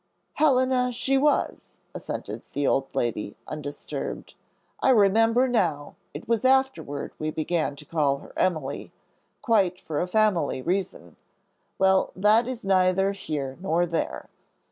"Helena she was," assented the old lady, undisturbed. "I remember now, it was afterward we began to call her Emily, quite for a family reason. Well, that is neither here nor there.